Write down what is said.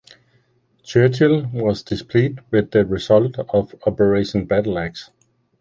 Churchill was displeased with the results of Operation Battleaxe.